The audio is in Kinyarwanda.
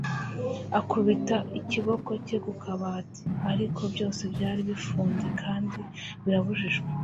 Akubita ikiboko cye ku kabati, ariko byose byari bifunze kandi birabujijwe;